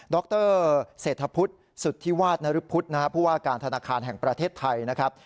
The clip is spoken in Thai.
รเศรษฐพุทธสุธิวาสนรพุทธนะครับผู้ว่าการธนาคารแห่งประเทศไทยนะครับ